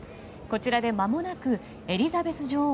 こちらでまもなくエリザベス女王